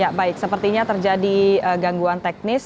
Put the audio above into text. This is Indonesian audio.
ya baik sepertinya terjadi gangguan teknis